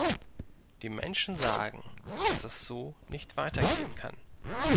Die Menschen sagen, dass es so nicht weitergehen kann.